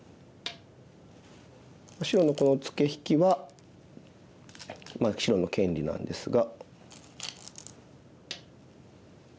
白のこのツケ引きは白の権利なんですが。